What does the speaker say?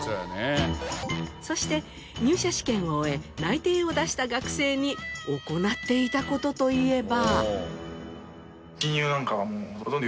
そして入社試験を終え内定を出した学生に行っていた事といえば。